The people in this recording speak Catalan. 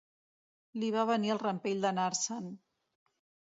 Li va venir el rampell d'anar-se'n.